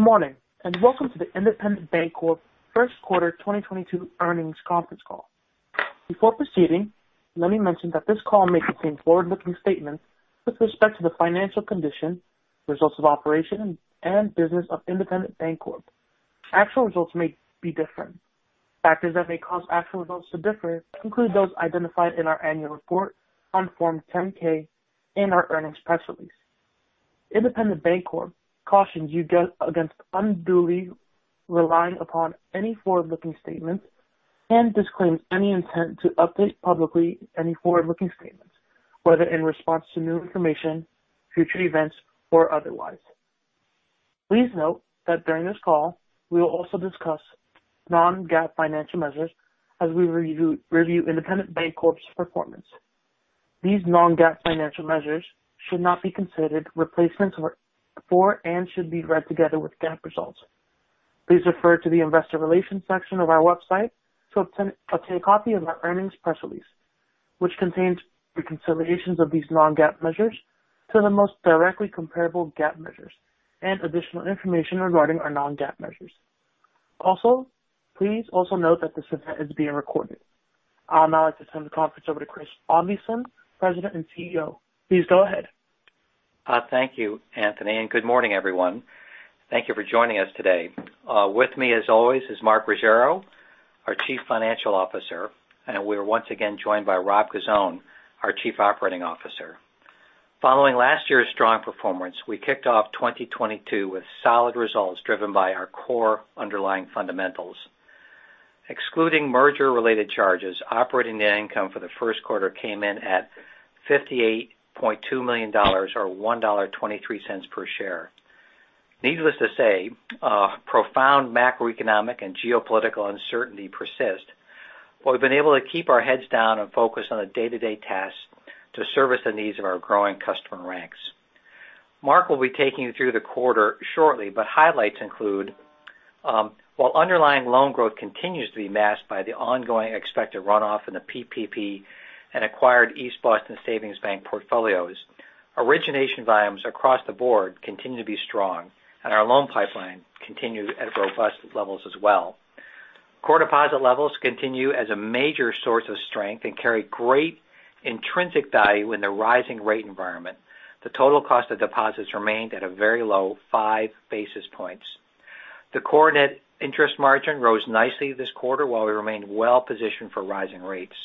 Good morning, and welcome to the Independent Bank Corp. first quarter 2022 earnings conference call. Before proceeding, let me mention that this call may contain forward-looking statements with respect to the financial condition, results of operations, and business of Independent Bank Corp. Actual results may be different. Factors that may cause actual results to differ include those identified in our annual report on Form 10-K and our earnings press release. Independent Bank Corp. cautions you against unduly relying upon any forward-looking statements and disclaims any intent to update publicly any forward-looking statements, whether in response to new information, future events, or otherwise. Please note that during this call, we will also discuss non-GAAP financial measures as we review Independent Bank Corp.'s performance. These non-GAAP financial measures should not be considered replacements for and should be read together with GAAP results. Please refer to the investor relations section of our website to obtain a copy of our earnings press release, which contains reconciliations of these non-GAAP measures to the most directly comparable GAAP measures and additional information regarding our non-GAAP measures. Please note that this event is being recorded. I'd like to turn the conference over to Christopher Oddleifson, President and CEO. Please go ahead. Thank you, Anthony, and good morning, everyone. Thank you for joining us today. With me, as always, is Mark Ruggiero, our Chief Financial Officer, and we're once again joined by Rob Cozzone, our Chief Operating Officer. Following last year's strong performance, we kicked off 2022 with solid results driven by our core underlying fundamentals. Excluding merger-related charges, operating net income for the first quarter came in at $58.2 million or $1.23 per share. Needless to say, profound macroeconomic and geopolitical uncertainty persist. We've been able to keep our heads down and focus on a day-to-day task to service the needs of our growing customer ranks. Mark will be taking you through the quarter shortly, but highlights include, while underlying loan growth continues to be masked by the ongoing expected runoff in the PPP and acquired East Boston Savings Bank portfolios, origination volumes across the board continue to be strong, and our loan pipeline continues at robust levels as well. Core deposit levels continue as a major source of strength and carry great intrinsic value in the rising rate environment. The total cost of deposits remained at a very low five basis points. The core net interest margin rose nicely this quarter while we remained well-positioned for rising rates.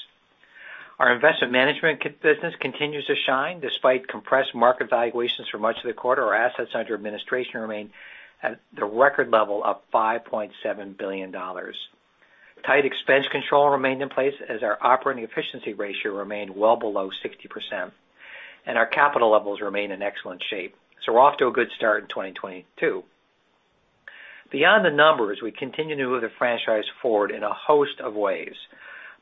Our investment management business continues to shine despite compressed market valuations for much of the quarter. Our assets under administration remain at the record level of $5.7 billion. Tight expense control remained in place as our operating efficiency ratio remained well below 60%, and our capital levels remain in excellent shape. We're off to a good start in 2022. Beyond the numbers, we continue to move the franchise forward in a host of ways.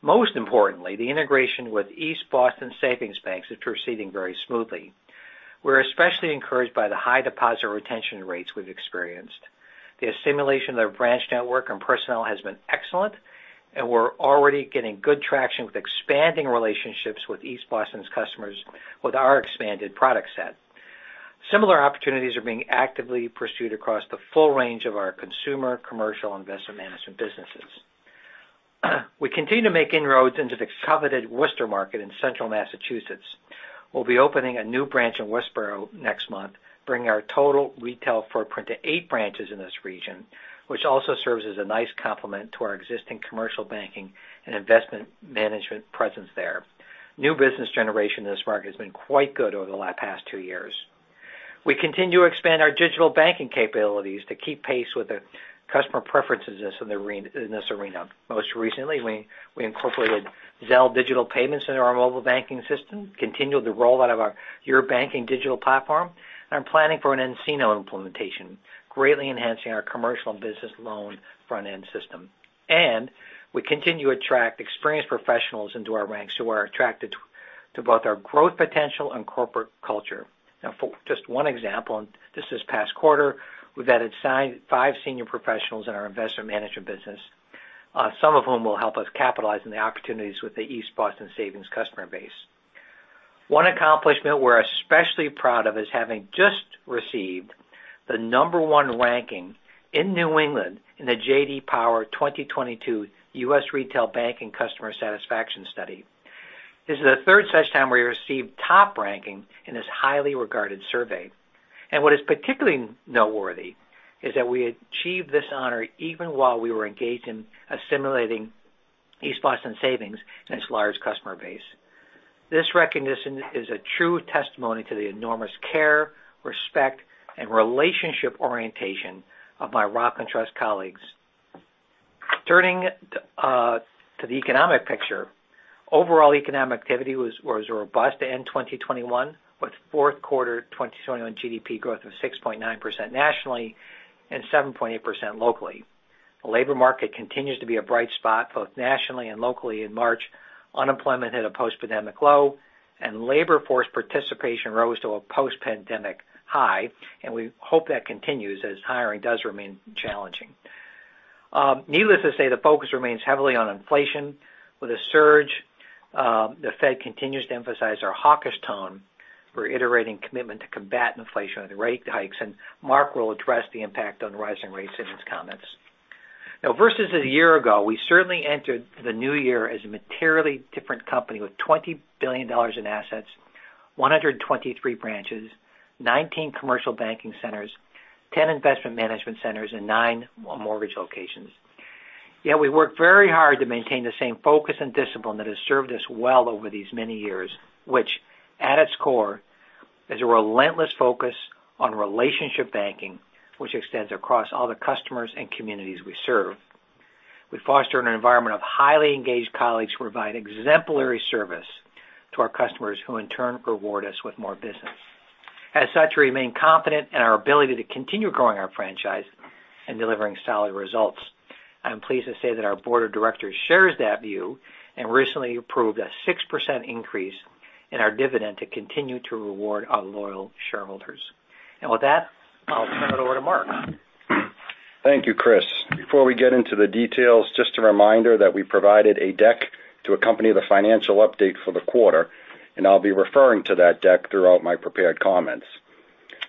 Most importantly, the integration with East Boston Savings Bank is proceeding very smoothly. We're especially encouraged by the high deposit retention rates we've experienced. The assimilation of their branch network and personnel has been excellent, and we're already getting good traction with expanding relationships with East Boston's customers with our expanded product set. Similar opportunities are being actively pursued across the full range of our consumer, commercial, and investment management businesses. We continue to make inroads into the coveted Worcester market in central Massachusetts. We'll be opening a new branch in Westborough next month, bringing our total retail footprint to eight branches in this region, which also serves as a nice complement to our existing commercial banking and investment management presence there. New business generation in this market has been quite good over the past two years. We continue to expand our digital banking capabilities to keep pace with the customer preferences in this arena. Most recently, we incorporated Zelle digital payments into our mobile banking system, continued the rollout of our YourBanker digital platform, and planning for an nCino implementation, greatly enhancing our commercial and business loan front-end system. We continue to attract experienced professionals into our ranks who are attracted to both our growth potential and corporate culture. Now for just one example, and this is past quarter, we've added five senior professionals in our investment management business, some of whom will help us capitalize on the opportunities with the East Boston Savings customer base. One accomplishment we're especially proud of is having just received the number one ranking in New England in the J.D. Power 2022 U.S. Retail Banking Customer Satisfaction Study. This is the third such time we received top ranking in this highly regarded survey. What is particularly noteworthy is that we achieved this honor even while we were engaged in assimilating East Boston Savings and its large customer base. This recognition is a true testimony to the enormous care, respect, and relationship orientation of my Rockland Trust colleagues. Turning to the economic picture, overall economic activity was robust in 2021, with fourth quarter 2021 GDP growth of 6.9% nationally and 7.8% locally. The labor market continues to be a bright spot, both nationally and locally. In March, unemployment hit a post-pandemic low, and labor force participation rose to a post-pandemic high, and we hope that continues as hiring does remain challenging. Needless to say, the focus remains heavily on inflation. With a surge, the Fed continues to emphasize a hawkish tone in reiterating commitment to combat inflation with rate hikes, and Mark will address the impact on rising rates in his comments. Now versus a year ago, we certainly entered the new year as a materially different company with $20 billion in assets, 123 branches, 19 commercial banking centers, 10 investment management centers, and nine mortgage locations. Yet we work very hard to maintain the same focus and discipline that has served us well over these many years, which at its core is a relentless focus on relationship banking, which extends across all the customers and communities we serve. We foster an environment of highly engaged colleagues who provide exemplary service to our customers, who in turn reward us with more business. As such, we remain confident in our ability to continue growing our franchise and delivering solid results. I'm pleased to say that our board of directors shares that view and recently approved a 6% increase in our dividend to continue to reward our loyal shareholders. With that, I'll turn it over to Mark. Thank you, Christopher. Before we get into the details, just a reminder that we provided a deck to accompany the financial update for the quarter, and I'll be referring to that deck throughout my prepared comments.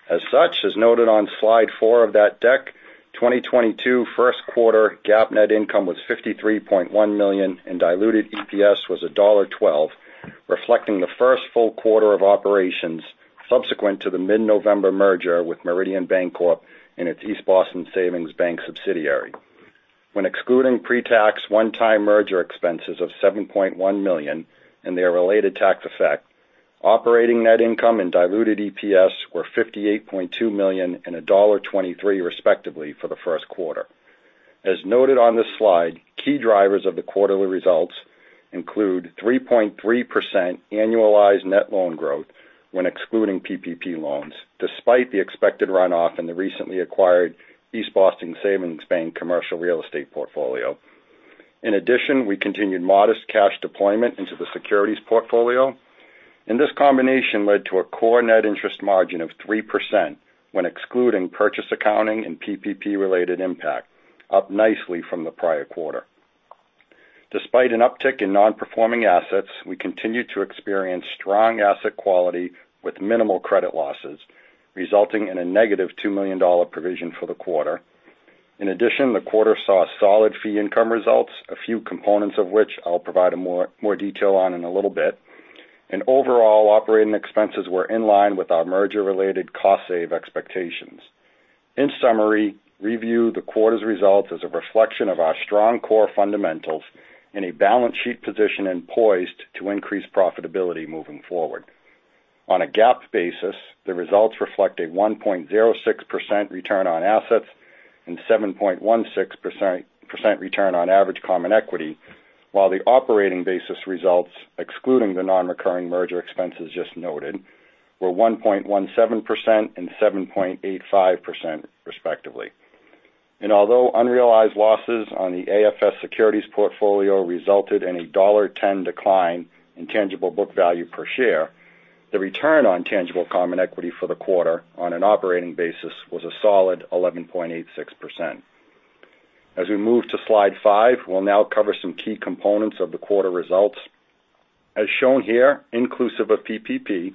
As such, as noted on slide four of that deck, 2022 first quarter GAAP net income was $53.1 million, and diluted EPS was $1.12, reflecting the first full quarter of operations subsequent to the mid-November merger with Meridian Bancorp and its East Boston Savings Bank subsidiary. When excluding pre-tax one-time merger expenses of $7.1 million and their related tax effect, operating net income and diluted EPS were $58.2 million and $1.23 respectively for the first quarter. As noted on this slide, key drivers of the quarterly results include 3.3% annualized net loan growth when excluding PPP loans, despite the expected runoff in the recently acquired East Boston Savings Bank commercial real estate portfolio. In addition, we continued modest cash deployment into the securities portfolio, and this combination led to a core net interest margin of 3% when excluding purchase accounting and PPP-related impact, up nicely from the prior quarter. Despite an uptick in non-performing assets, we continue to experience strong asset quality with minimal credit losses, resulting in a -$2 million provision for the quarter. In addition, the quarter saw solid fee income results, a few components of which I'll provide more detail on in a little bit. Overall operating expenses were in line with our merger-related cost savings expectations. In summary, review the quarter's results as a reflection of our strong core fundamentals and a balance sheet position and poised to increase profitability moving forward. On a GAAP basis, the results reflect a 1.06% return on assets and 7.16% return on average common equity, while the operating basis results, excluding the non-recurring merger expenses just noted, were 1.17% and 7.85% respectively. Although unrealized losses on the AFS securities portfolio resulted in a $1.10 decline in tangible book value per share, the return on tangible common equity for the quarter on an operating basis was a solid 11.86%. As we move to slide five, we'll now cover some key components of the quarter results. As shown here, inclusive of PPP,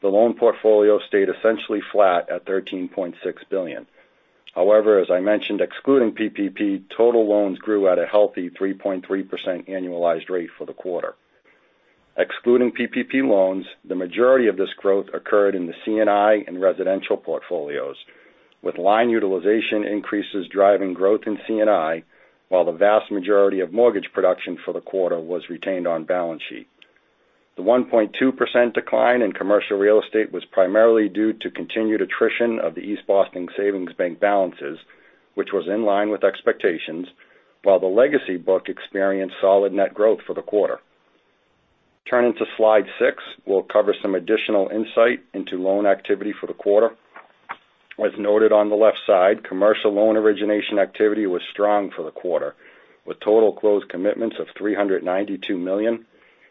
the loan portfolio stayed essentially flat at $13.6 billion. However, as I mentioned, excluding PPP, total loans grew at a healthy 3.3% annualized rate for the quarter. Excluding PPP loans, the majority of this growth occurred in the C&I and residential portfolios, with line utilization increases driving growth in C&I, while the vast majority of mortgage production for the quarter was retained on balance sheet. The 1.2% decline in commercial real estate was primarily due to continued attrition of the East Boston Savings Bank balances, which was in line with expectations, while the legacy book experienced solid net growth for the quarter. Turning to slide six, we'll cover some additional insight into loan activity for the quarter. As noted on the left side, commercial loan origination activity was strong for the quarter, with total closed commitments of $392 million,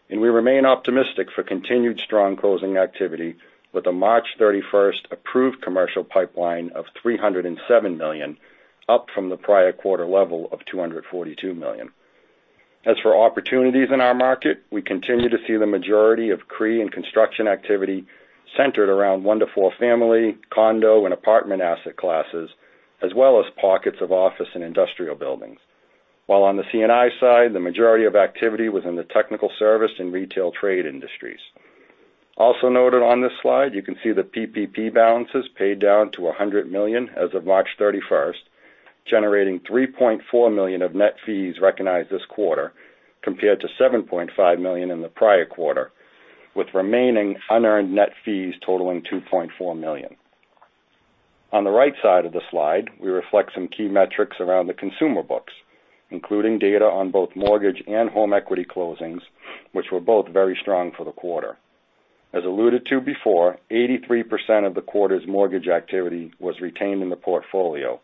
and we remain optimistic for continued strong closing activity with a March 31st approved commercial pipeline of $307 million, up from the prior quarter level of $242 million. As for opportunities in our market, we continue to see the majority of CRE and construction activity centered around one to four family, condo, and apartment asset classes, as well as pockets of office and industrial buildings. While on the C&I side, the majority of activity was in the technical service and retail trade industries. Also noted on this slide, you can see the PPP balances paid down to $100 million as of March 31st, generating $3.4 million of net fees recognized this quarter, compared to $7.5 million in the prior quarter, with remaining unearned net fees totaling $2.4 million. On the right side of the slide, we reflect some key metrics around the consumer books, including data on both mortgage and home equity closings, which were both very strong for the quarter. As alluded to before, 83% of the quarter's mortgage activity was retained in the portfolio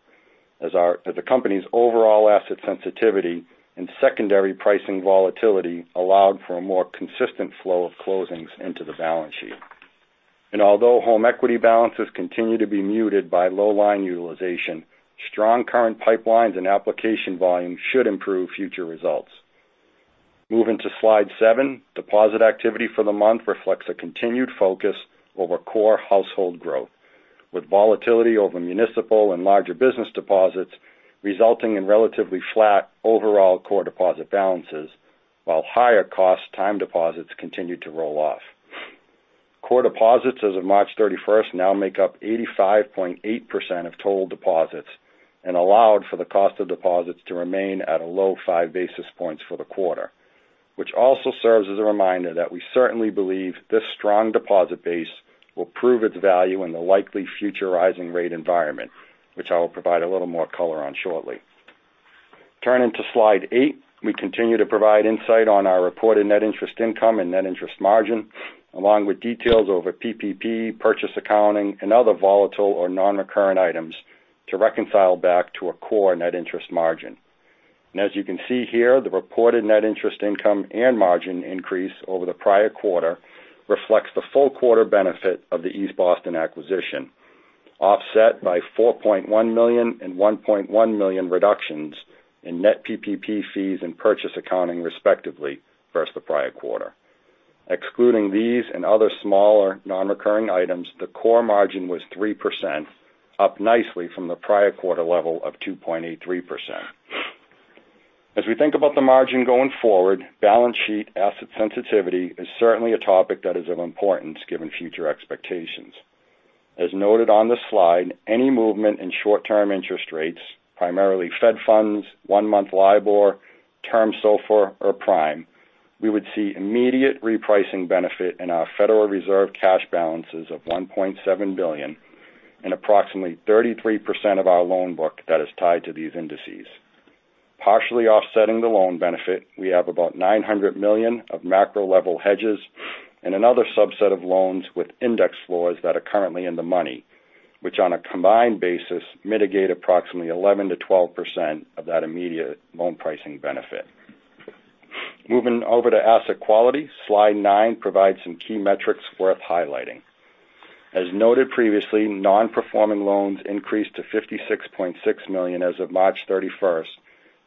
as the company's overall asset sensitivity and secondary pricing volatility allowed for a more consistent flow of closings into the balance sheet. Although home equity balances continue to be muted by low line utilization, strong current pipelines and application volume should improve future results. Moving to slide seven, deposit activity for the month reflects a continued focus over core household growth, with volatility over municipal and larger business deposits resulting in relatively flat overall core deposit balances while higher cost time deposits continued to roll off. Core deposits as of March 31st now make up 85.8% of total deposits and allowed for the cost of deposits to remain at a low five basis points for the quarter, which also serves as a reminder that we certainly believe this strong deposit base will prove its value in the likely future rising rate environment, which I will provide a little more color on shortly. Turning to slide eight, we continue to provide insight on our reported net interest income and net interest margin, along with details over PPP purchase accounting and other volatile or non-recurrent items to reconcile back to a core net interest margin. As you can see here, the reported net interest income and margin increase over the prior quarter reflects the full quarter benefit of the East Boston acquisition, offset by $4.1 million and $1.1 million reductions in net PPP fees and purchase accounting respectively versus the prior quarter. Excluding these and other smaller non-recurring items, the core margin was 3%, up nicely from the prior quarter level of 2.83%. As we think about the margin going forward, balance sheet asset sensitivity is certainly a topic that is of importance given future expectations. As noted on the slide, any movement in short-term interest rates, primarily Fed funds, one-month LIBOR, term SOFR or prime, we would see immediate repricing benefit in our Federal Reserve cash balances of $1.7 billion and approximately 33% of our loan book that is tied to these indices. Partially offsetting the loan benefit, we have about $900 million of macro level hedges and another subset of loans with index floors that are currently in the money, which on a combined basis mitigate approximately 11%-12% of that immediate loan pricing benefit. Moving over to asset quality. Slide 9 provides some key metrics worth highlighting. As noted previously, non-performing loans increased to $56.6 million as of March 31st,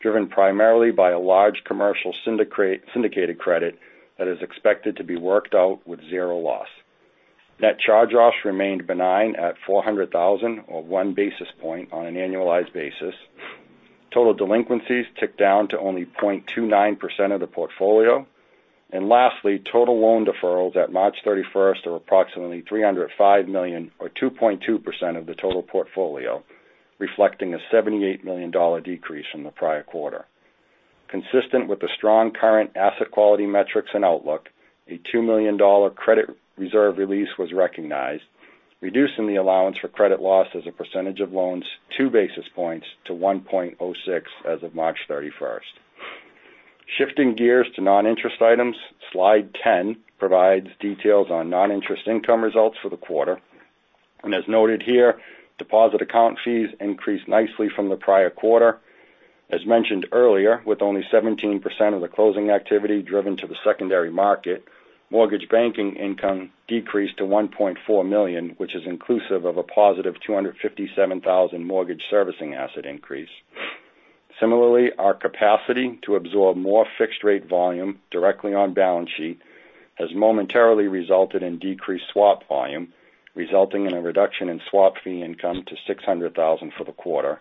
driven primarily by a large commercial syndicated credit that is expected to be worked out with zero loss. Net charge-offs remained benign at $400,000 or one basis point on an annualized basis. Total delinquencies ticked down to only 0.29% of the portfolio. Lastly, total loan deferrals at March 31st are approximately $305 million or 2.2% of the total portfolio, reflecting a $78 million decrease from the prior quarter. Consistent with the strong current asset quality metrics and outlook, a $2 million credit reserve release was recognized, reducing the allowance for credit loss as a percentage of loans two basis points to 1.06% as of March 31st. Shifting gears to noninterest items. Slide 10 provides details on noninterest income results for the quarter. As noted here, deposit account fees increased nicely from the prior quarter. As mentioned earlier, with only 17% of the closing activity driven to the secondary market, mortgage banking income decreased to $1.4 million, which is inclusive of a positive $257,000 mortgage servicing asset increase. Similarly, our capacity to absorb more fixed rate volume directly on balance sheet has momentarily resulted in decreased swap volume, resulting in a reduction in swap fee income to $600,000 for the quarter.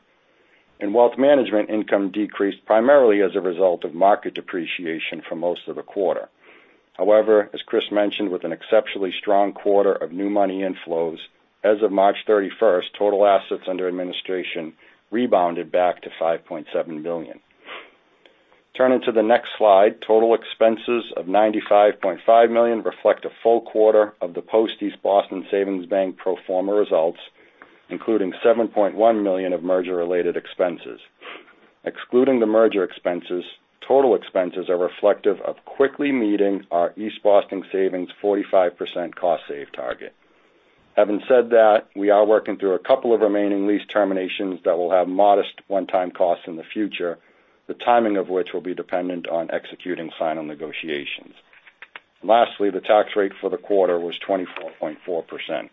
Wealth management income decreased primarily as a result of market depreciation for most of the quarter. However, as Christopher mentioned, with an exceptionally strong quarter of new money inflows as of March 31st, total assets under administration rebounded back to $5.7 billion. Turning to the next slide. Total expenses of $95.5 million reflect a full quarter of the post East Boston Savings Bank pro forma results, including $7.1 million of merger-related expenses. Excluding the merger expenses, total expenses are reflective of quickly meeting our East Boston Savings 45% cost save target. Having said that, we are working through a couple of remaining lease terminations that will have modest one-time costs in the future, the timing of which will be dependent on executing final negotiations. Lastly, the tax rate for the quarter was 24.4%.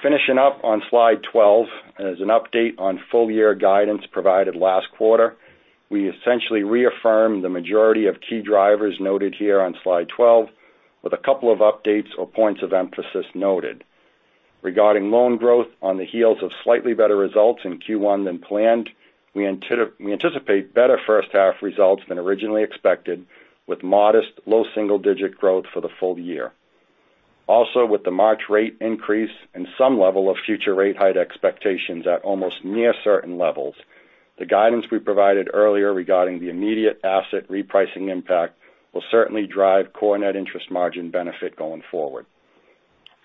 Finishing up on slide 12. As an update on full year guidance provided last quarter, we essentially reaffirmed the majority of key drivers noted here on slide twelve with a couple of updates or points of emphasis noted. Regarding loan growth on the heels of slightly better results in Q1 than planned, we anticipate better first half results than originally expected, with modest low single-digit growth for the full year. Also, with the March rate increase and some level of future rate hike expectations at almost near certain levels, the guidance we provided earlier regarding the immediate asset repricing impact will certainly drive core net interest margin benefit going forward.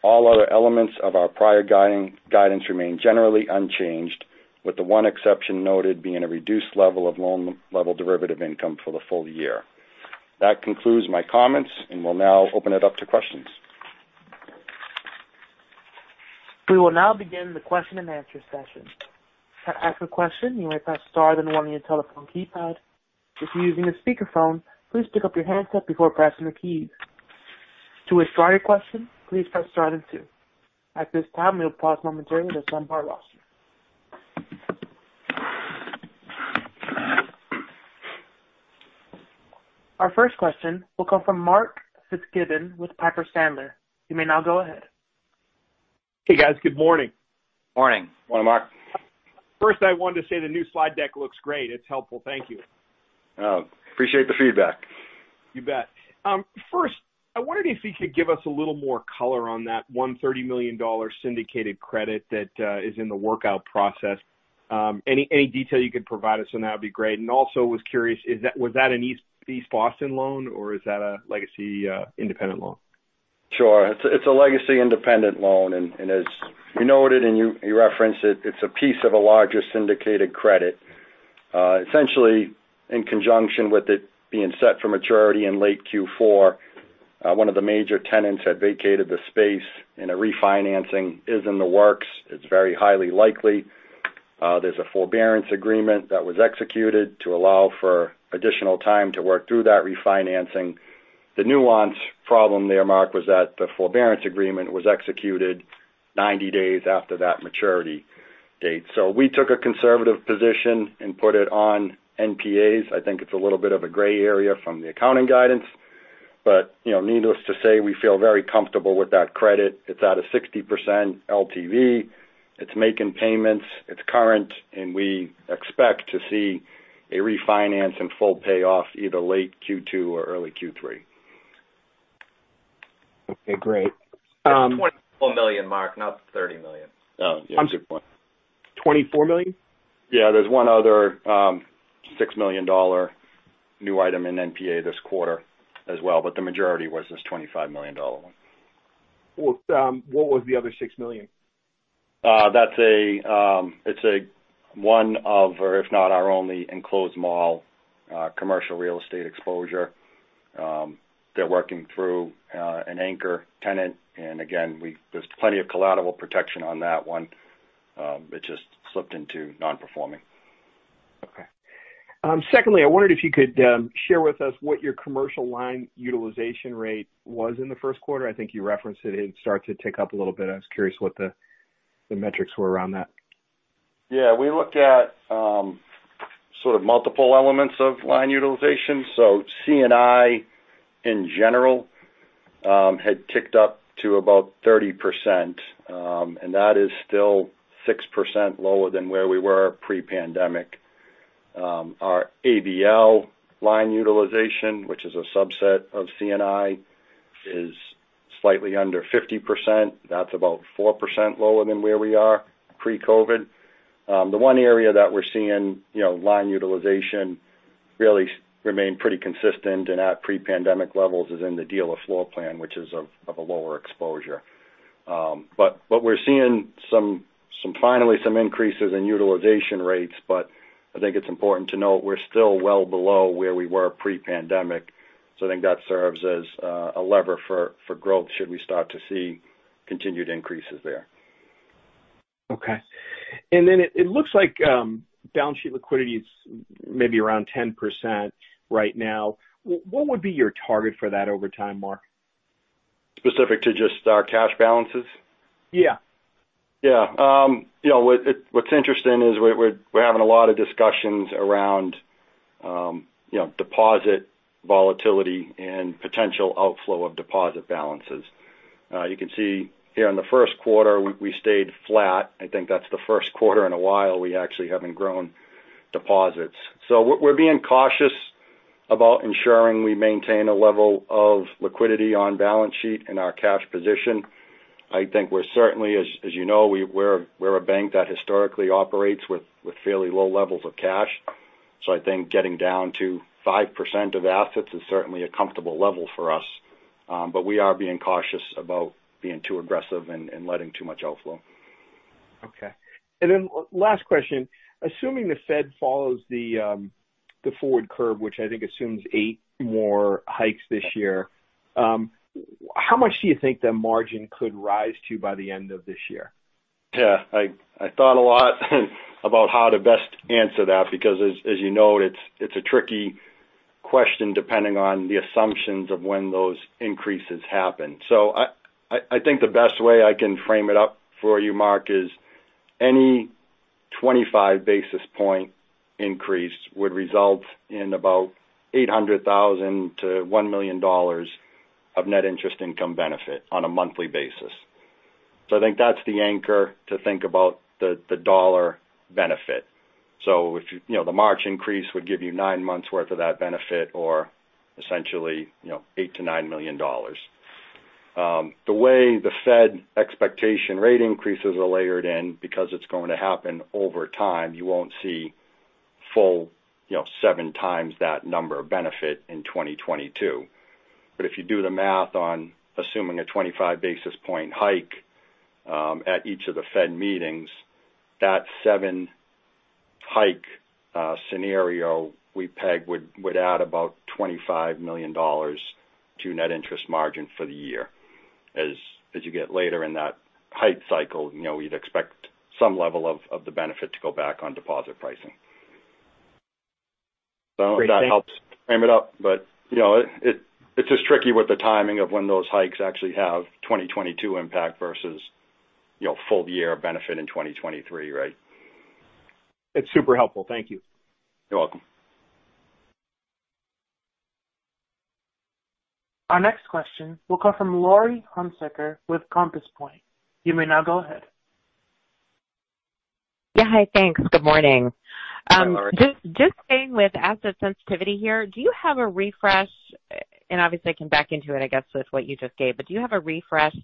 All other elements of our prior guidance remain generally unchanged, with the one exception noted being a reduced level of loan level derivative income for the full year. That concludes my comments, and we'll now open it up to questions. We will now begin the question and answer session. To ask a question, you may press star then one on your telephone keypad. If you're using a speakerphone, please pick up your handset before pressing the keys. To withdraw your question, please press star then two. At this time, we'll pause momentarily to survey the roster. Our first question will come from Mark Fitzgibbon with Piper Sandler. You may now go ahead. Hey, guys. Good morning. Morning. Morning, Mark. First, I wanted to say the new slide deck looks great. It's helpful. Thank you. Oh, appreciate the feedback. You bet. First, I wondered if you could give us a little more color on that $130 million syndicated credit that is in the workout process. Any detail you could provide us on that would be great. Also I was curious, was that an East Boston loan or is that a legacy Independent loan? Sure. It's a legacy independent loan. As you noted and you referenced it's a piece of a larger syndicated credit. Essentially in conjunction with it being set for maturity in late Q4, one of the major tenants had vacated the space and a refinancing is in the works. It's very highly likely. There's a forbearance agreement that was executed to allow for additional time to work through that refinancing. The nuanced problem there, Mark, was that the forbearance agreement was executed 90 days after that maturity date. We took a conservative position and put it on NPAs. I think it's a little bit of a gray area from the accounting guidance. You know, needless to say, we feel very comfortable with that credit. It's at a 60% LTV. It's making payments, it's current, and we expect to see a refinance and full payoff either late Q2 or early Q3. Okay, great. It's $24 million, Mark, not $30 million. Oh, yeah. Good point. $24 million? Yeah. There's one other $6 million new item in NPA this quarter as well, but the majority was this $25 million one. What was the other $6 million? That's one of our, if not our only, enclosed mall commercial real estate exposure. They're working through an anchor tenant. Again, there's plenty of collateral protection on that one, which just slipped into non-performing. Okay. Secondly, I wondered if you could share with us what your commercial line utilization rate was in the first quarter. I think you referenced it. It started to tick up a little bit. I was curious what the metrics were around that. Yeah. We looked at sort of multiple elements of line utilization. C&I in general had ticked up to about 30%, and that is still 6% lower than where we were pre-pandemic. Our ABL line utilization, which is a subset of C&I, is slightly under 50%. That's about 4% lower than where we are pre-COVID. The one area that we're seeing, you know, line utilization really remain pretty consistent and at pre-pandemic levels is in the dealer floor plan, which is of a lower exposure. But what we're seeing finally some increases in utilization rates, but I think it's important to note we're still well below where we were pre-pandemic. I think that serves as a lever for growth should we start to see continued increases there. Okay. It looks like balance sheet liquidity is maybe around 10% right now. What would be your target for that over time, Mark? Specific to just our cash balances? Yeah. Yeah. You know what? What's interesting is we're having a lot of discussions around, you know, deposit volatility and potential outflow of deposit balances. You can see here in the first quarter, we stayed flat. I think that's the first quarter in a while we actually haven't grown deposits. We're being cautious about ensuring we maintain a level of liquidity on balance sheet in our cash position. I think we're certainly, as you know, we're a bank that historically operates with fairly low levels of cash. I think getting down to 5% of assets is certainly a comfortable level for us. We are being cautious about being too aggressive and letting too much outflow. Okay. Last question. Assuming the Fed follows the forward curve, which I think assumes eight more hikes this year, how much do you think the margin could rise to by the end of this year? Yeah, I thought a lot about how to best answer that because as you know, it's a tricky question depending on the assumptions of when those increases happen. I think the best way I can frame it up for you, Mark, is any 25 basis point increase would result in about $800,000-$1 million of net interest income benefit on a monthly basis. I think that's the anchor to think about the dollar benefit. If you know, the March increase would give you nine months worth of that benefit or essentially, you know, $8 million-$9 million. The way the Fed's expected rate increases are layered in because it's going to happen over time. You won't see the full, you know, 7x that number of benefit in 2022. If you do the math on assuming a 25 basis point hike at each of the Fed meetings, that seven-hike scenario we pegged would add about $25 million to net interest margin for the year. As you get later in that hike cycle, you'd expect some level of the benefit to go back on deposit pricing. Great, thanks. That helps frame it up. You know, it's just tricky with the timing of when those hikes actually have 2022 impact versus, you know, full year benefit in 2023, right? It's super helpful. Thank you. You're welcome. Our next question will come from Laurie Hunsicker with Compass Point. You may now go ahead. Yeah. Hi. Thanks. Good morning. Hi, Laurie. Just staying with asset sensitivity here. Do you have a refresh, and obviously I can back into it, I guess, with what you just gave. Do you have a refresh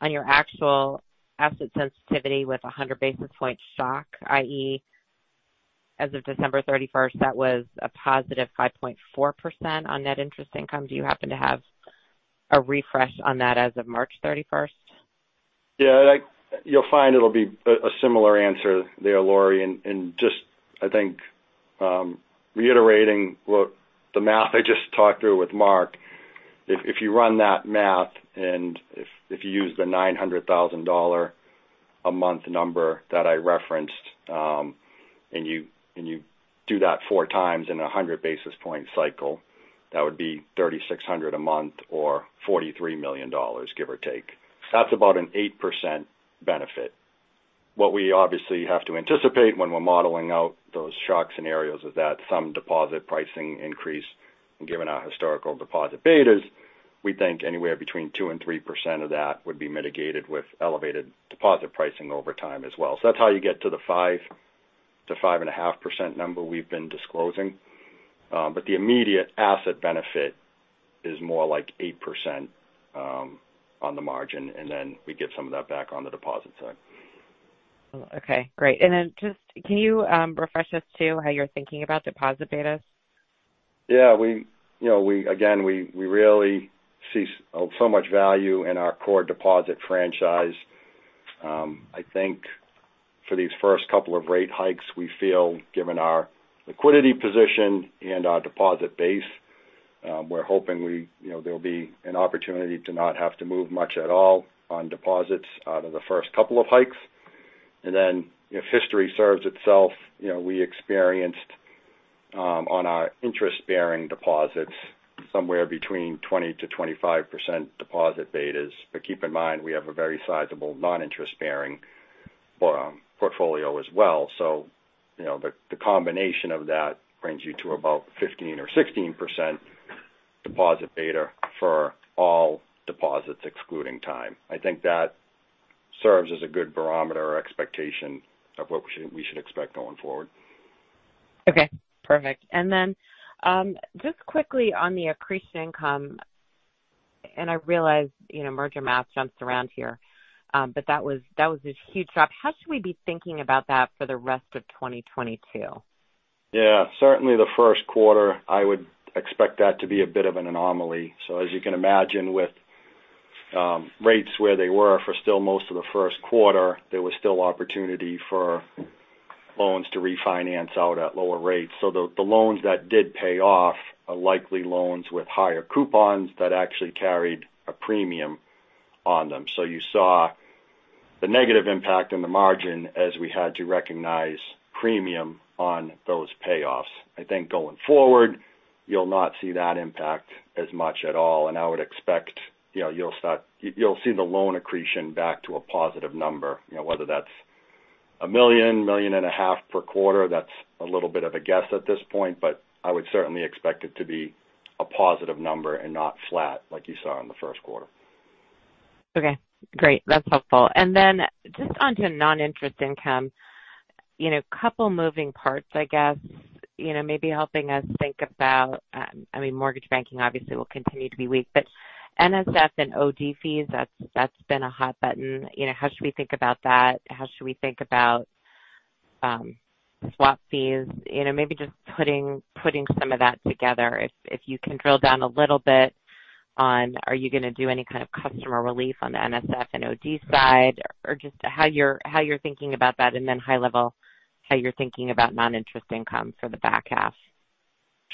on your actual asset sensitivity with a 100 basis point shock, i.e., as of December 31st, that was a positive 5.4% on net interest income. Do you happen to have a refresh on that as of March 31st? Yeah. You'll find it'll be a similar answer there, Laurie. Just I think, reiterating what the math I just talked through with Mark. If you run that math, and if you use the $900,000 a month number that I referenced, and you do that four times in a 100 basis point cycle, that would be $3,600 a month or $43 million, give or take. That's about an 8% benefit. What we obviously have to anticipate when we're modeling out those shock scenarios is that some deposit pricing increase, and given our historical deposit betas, we think anywhere between 2% and 3% of that would be mitigated with elevated deposit pricing over time as well. That's how you get to the 5%-5.5% number we've been disclosing. The immediate asset benefit is more like 8% on the margin, and then we get some of that back on the deposit side. Okay, great. Just can you refresh us too how you're thinking about deposit betas? Yeah. We again really see so much value in our core deposit franchise. I think for these first couple of rate hikes, we feel given our liquidity position and our deposit base, we're hoping there'll be an opportunity to not have to move much at all on deposits out of the first couple of hikes. If history serves itself, we experienced on our interest-bearing deposits somewhere between 20%-25% deposit betas. Keep in mind, we have a very sizable non-interest bearing portfolio as well. The combination of that brings you to about 15% or 16% deposit beta for all deposits, excluding time. I think that serves as a good barometer or expectation of what we should expect going forward. Okay. Perfect. Then, just quickly on the accretion income. I realize, you know, merger math jumps around here, but that was a huge drop. How should we be thinking about that for the rest of 2022? Yeah. Certainly the first quarter I would expect that to be a bit of an anomaly. As you can imagine with rates where they were for still most of the first quarter, there was still opportunity for loans to refinance out at lower rates. The loans that did pay off are likely loans with higher coupons that actually carried a premium on them. You saw the negative impact in the margin as we had to recognize premium on those payoffs. I think going forward, you'll not see that impact as much at all. I would expect, you know, you'll see the loan accretion back to a positive number. You know, whether that's $1 million-$1.5 million per quarter, that's a little bit of a guess at this point. I would certainly expect it to be a positive number and not flat like you saw in the first quarter. Okay, great. That's helpful. Then just onto non-interest income. You know, a couple moving parts, I guess. You know, maybe helping us think about, I mean, mortgage banking obviously will continue to be weak. NSF and OD fees, that's been a hot button. You know, how should we think about that? How should we think about, swap fees? You know, maybe just putting some of that together. If you can drill down a little bit on are you going to do any kind of customer relief on the NSF and OD side or just how you're thinking about that. Then high level, how you're thinking about non-interest income for the back half.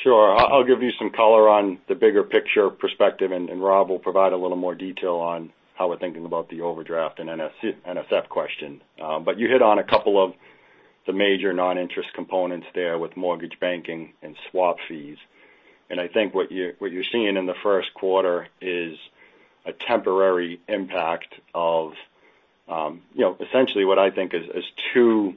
Sure. I'll give you some color on the bigger picture perspective, and Rob will provide a little more detail on how we're thinking about the overdraft and NSF question. But you hit on a couple of the major non-interest components there with mortgage banking and swap fees. I think what you're seeing in the first quarter is a temporary impact of, you know, essentially what I think is two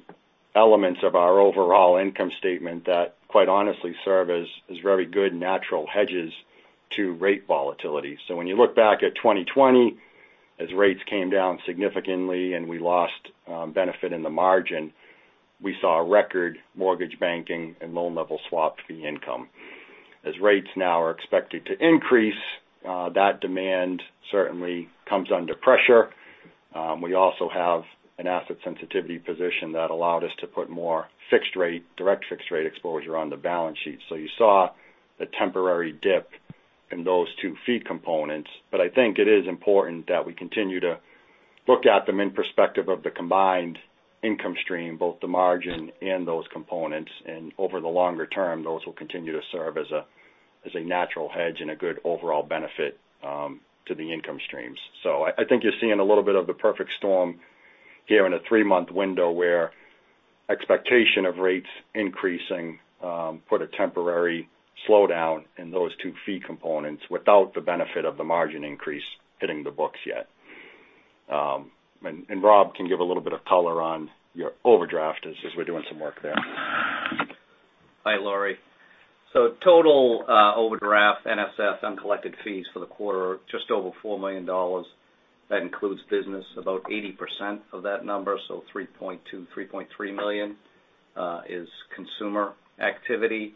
elements of our overall income statement that, quite honestly, serve as very good natural hedges to rate volatility. When you look back at 2020, as rates came down significantly and we lost benefit in the margin, we saw a record mortgage banking and loan level swap fee income. Rates now are expected to increase, that demand certainly comes under pressure. We also have an asset sensitivity position that allowed us to put more fixed rate, direct fixed rate exposure on the balance sheet. You saw a temporary dip in those two fee components. I think it is important that we continue to look at them in perspective of the combined income stream, both the margin and those components, and over the longer term, those will continue to serve as a natural hedge and a good overall benefit to the income streams. I think you're seeing a little bit of the perfect storm here in a three-month window where expectation of rates increasing put a temporary slowdown in those two fee components without the benefit of the margin increase hitting the books yet. Rob can give a little bit of color on your overdraft as we're doing some work there. Hi, Laurie. Total overdraft, NSF, uncollected fees for the quarter are just over $4 million. That includes business, about 80% of that number, so $3.2 million-$3.3 million is consumer activity.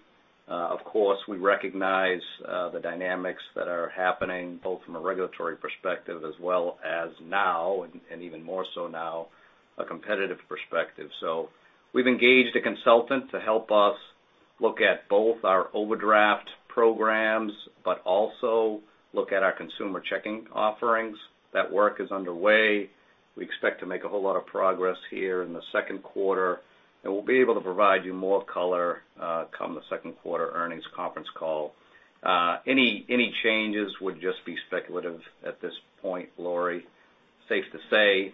Of course, we recognize the dynamics that are happening both from a regulatory perspective as well as now, and even more so now, a competitive perspective. We've engaged a consultant to help us look at both our overdraft programs, but also look at our consumer checking offerings. That work is underway. We expect to make a whole lot of progress here in the second quarter, and we'll be able to provide you more color come the second quarter earnings conference call. Any changes would just be speculative at this point, Laurie. Safe to say,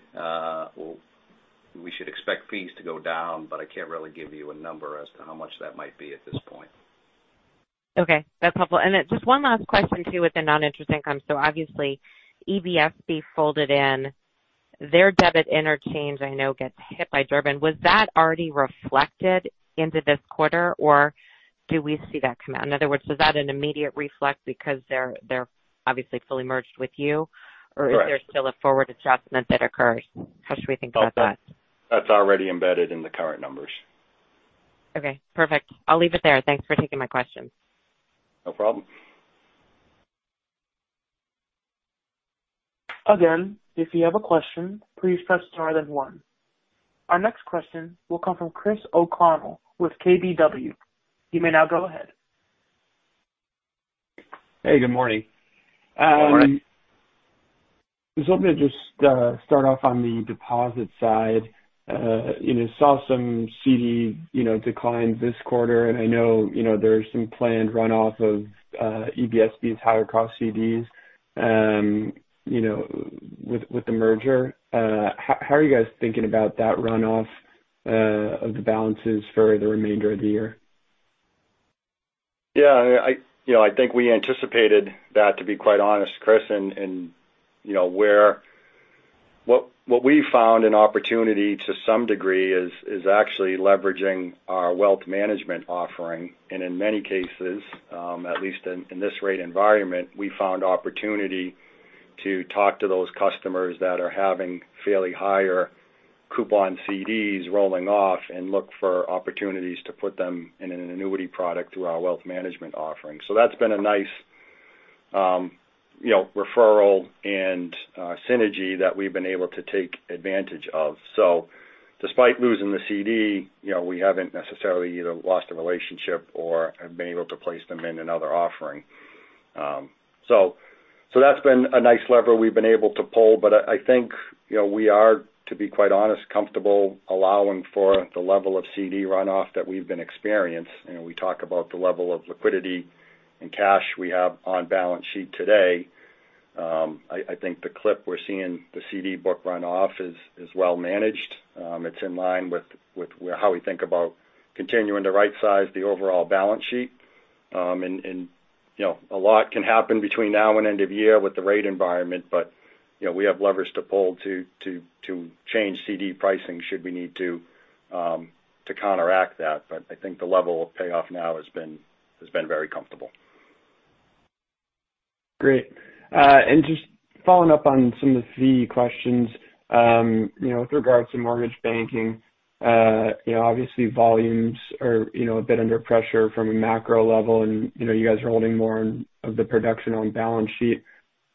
we should expect fees to go down, but I can't really give you a number as to how much that might be at this point. Okay, that's helpful. Then just one last question too with the non-interest income. Obviously, EBSB folded in. Their debit interchange I know gets hit by Durbin. Was that already reflected into this quarter or do we see that come out? In other words, was that an immediate effect because they're obviously fully merged with you? Correct. Is there still a forward adjustment that occurs? How should we think about that? That's already embedded in the current numbers. Okay. Perfect. I'll leave it there. Thanks for taking my questions. No problem. Again, if you have a question, please press star then one. Our next question will come from Christopher O'Connell with KBW. You may now go ahead. Hey, good morning. Good morning. I was hoping to just start off on the deposit side. You know, saw some CD decline this quarter, and I know, you know, there's some planned runoff of EBSB's higher cost CDs with the merger. How are you guys thinking about that runoff of the balances for the remainder of the year? Yeah, you know, I think we anticipated that, to be quite honest, Christopher. You know, what we found an opportunity to some degree is actually leveraging our wealth management offering. In many cases, at least in this rate environment, we found opportunity to talk to those customers that are having fairly higher coupon CDs rolling off and look for opportunities to put them in an annuity product through our wealth management offering. That's been a nice, you know, referral and synergy that we've been able to take advantage of. Despite losing the CD, you know, we haven't necessarily either lost a relationship or have been able to place them in another offering. That's been a nice lever we've been able to pull. I think, you know, we are, to be quite honest, comfortable allowing for the level of CD runoff that we've been experiencing. You know, we talk about the level of liquidity and cash we have on balance sheet today. I think the clip we're seeing the CD book runoff is well managed. It's in line with how we think about continuing to right size the overall balance sheet. You know, a lot can happen between now and end of year with the rate environment. You know, we have levers to pull to change CD pricing should we need to to counteract that. I think the level of payoff now has been very comfortable. Great. Just following up on some of the fee questions, you know, with regards to mortgage banking, you know, obviously volumes are, you know, a bit under pressure from a macro level. You know, you guys are holding more of the production on balance sheet,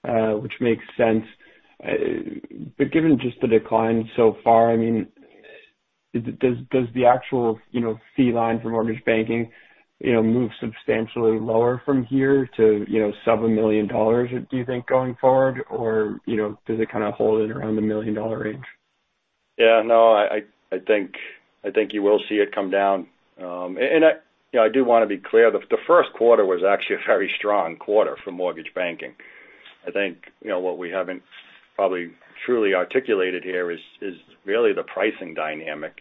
which makes sense. Given just the decline so far, I mean, does the actual, you know, fee line from mortgage banking, you know, move substantially lower from here to, you know, sub $1 million, do you think, going forward? Or, you know, does it kind of hold it around the $1 million range? Yeah, no, I think you will see it come down. I do want to be clear, the first quarter was actually a very strong quarter for mortgage banking. I think what we haven't probably truly articulated here is really the pricing dynamic.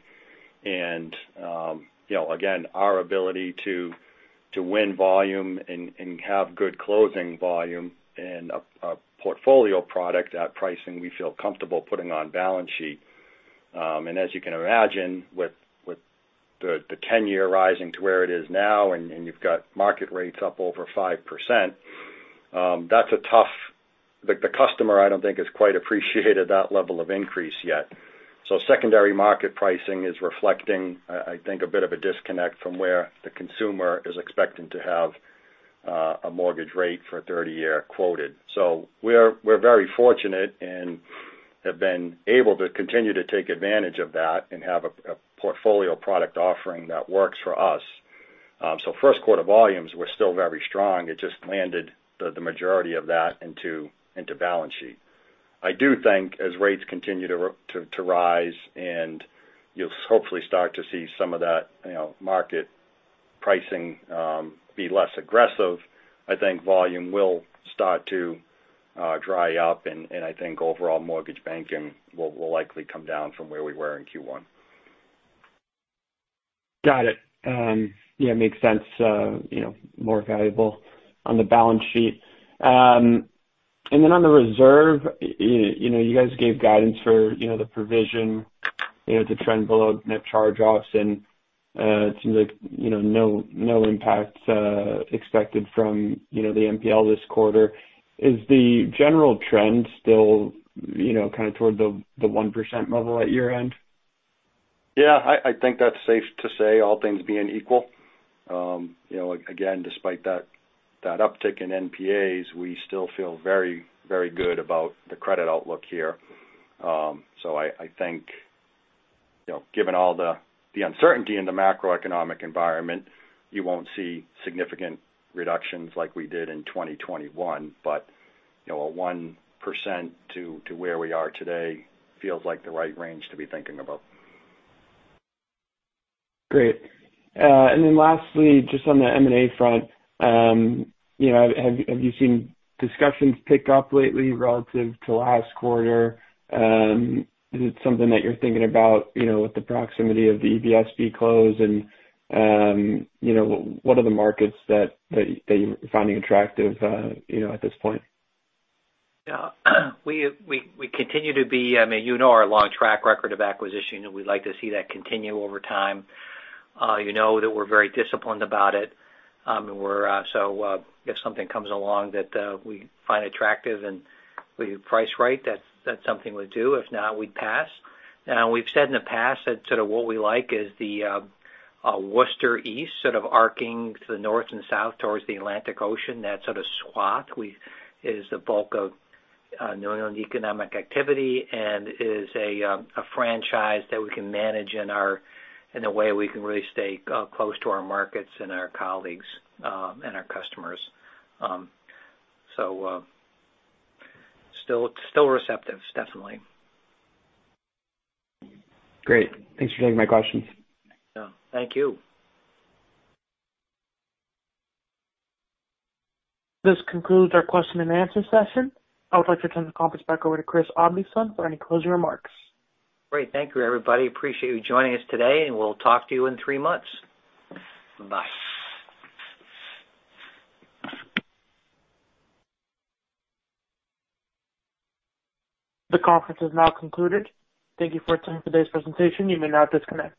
You know, again, our ability to win volume and have good closing volume and a portfolio product at pricing we feel comfortable putting on balance sheet. As you can imagine, with the 10-year rising to where it is now, and you've got market rates up over 5%, that's a tough, the customer, I don't think, has quite appreciated that level of increase yet. Secondary market pricing is reflecting, I think, a bit of a disconnect from where the consumer is expecting to have a mortgage rate for a 30-year quoted. We're very fortunate and have been able to continue to take advantage of that and have a portfolio product offering that works for us. First quarter volumes were still very strong. It just landed the majority of that into balance sheet. I do think as rates continue to rise and you'll hopefully start to see some of that, you know, market pricing be less aggressive. I think volume will start to dry up and I think overall mortgage banking will likely come down from where we were in Q1. Got it. Yeah, makes sense. You know, more valuable on the balance sheet. Then on the reserve, you know, you guys gave guidance for, you know, the provision, you know, to trend below net charge-offs and it seems like, you know, no impact expected from, you know, the NPL this quarter. Is the general trend still, you know, kind of toward the 1% level at your end? Yeah. I think that's safe to say all things being equal. You know, again, despite that uptick in NPAs, we still feel very, very good about the credit outlook here. So I think, you know, given all the uncertainty in the macroeconomic environment, you won't see significant reductions like we did in 2021. You know, a 1% to where we are today feels like the right range to be thinking about. Great. Lastly, just on the M&A front, have you seen discussions pick up lately relative to last quarter? Is it something that you're thinking about with the proximity of the EBSB close? What are the markets that you're finding attractive at this point? Yeah. We continue to be. I mean, you know our long track record of acquisition, and we'd like to see that continue over time. You know that we're very disciplined about it. If something comes along that we find attractive and we price right, that's something we'll do. If not, we pass. Now we've said in the past that sort of what we like is the Worcester East sort of arcing to the north and south towards the Atlantic Ocean. That sort of swath is the bulk of New England economic activity and is a franchise that we can manage in a way we can really stay close to our markets and our colleagues and our customers. Still receptive, definitely. Great. Thanks for taking my questions. Yeah. Thank you. This concludes our question and answer session. I would like to turn the conference back over to Christopher Oddleifson for any closing remarks. Great. Thank you everybody. Appreciate you joining us today, and we'll talk to you in three months. Bye. The conference has now concluded. Thank you for attending today's presentation. You may now disconnect.